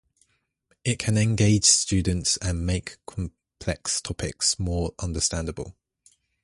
It can engage students and make complex topics more understandable.